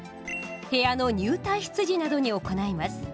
部屋の入退室時などに行います。